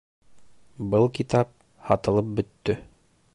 Был китап һатылып бөттө